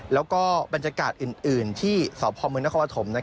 แล้วก็บรรยากาศอื่นที่สพมนครปฐม